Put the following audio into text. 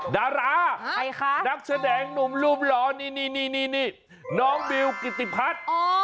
ดารานักแสดงหนุ่มรุ่มหล่อนี่น้องบิลกิติพัส